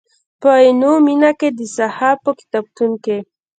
په عینومېنه کې د صحاف په کتابتون کې.